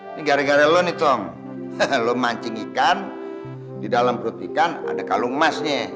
ini gara gara lo nicom lo mancing ikan di dalam perut ikan ada kalung emasnya